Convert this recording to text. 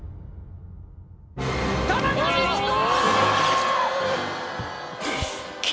田中道子！